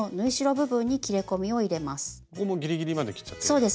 ここもギリギリまで切っちゃっていいんですか？